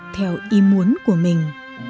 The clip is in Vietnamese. theo ý muốn của mình